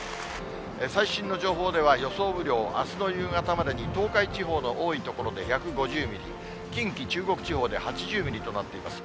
最新の情報では、予想雨量、あすの夕方までに東海地方の多い所で１５０ミリ、近畿、中国地方で８０ミリとなっています。